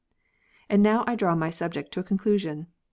And now I draw my subject to a conclusion.